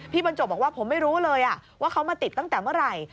บรรจบบอกว่าผมไม่รู้เลยว่าเขามาติดตั้งแต่เมื่อไหร่